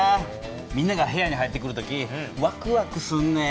みんなが部屋に入ってくる時ワクワクするねん。